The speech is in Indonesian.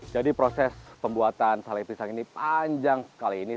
jadi proses pembuatan sale pisang ini panjang sekali ini